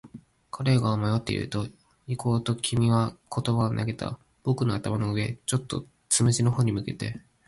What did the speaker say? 僕が迷っていると、行こうと君は言葉を投げた。僕の頭の上、ちょうどつむじの方に向けて。